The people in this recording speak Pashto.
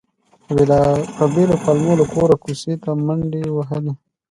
په بېلو پلمو له کوره کوڅې ته منډې وهلې.